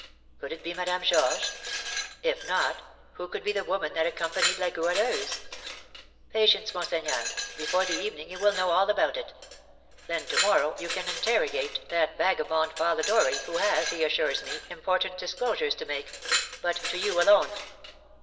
Could it be Madame Georges? If not, who could be the woman that accompanied La Goualeuse?" "Patience, monseigneur; before the evening you will know all about it. Then to morrow you can interrogate that vagabond Polidori, who has, he assures me, important disclosures to make, but to you alone."